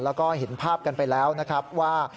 แล้วก็เห็นภาพกันไปแล้วนะครับว่า